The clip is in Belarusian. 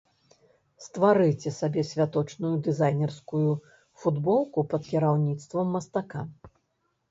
Стварыце сабе святочную дызайнерскую футболку пад кіраўніцтвам мастака!